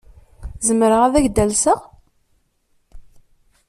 Zemreɣ ad ak-d-alseɣ?